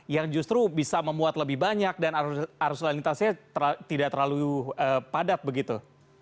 yang justru bisa memuat lebih banyak dan arus lalu lintasnya tidak terlalu padat begitu